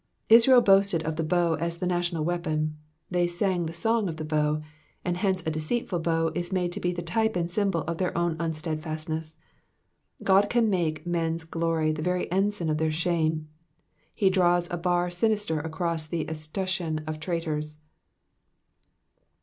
Israel boasted of the bow as the national weapon, they sang the song of the bow, and hence a deceitful bow is made to be the type and symbol of their own unstead fastness ; God can make men's glory the very ensign of their sh.ime, he draws a bar sinister across the escutcheon of traitors.